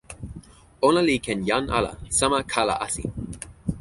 ona li ken "jan" ala, sama "kala Asi".